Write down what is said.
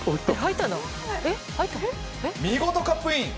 見事、カップイン！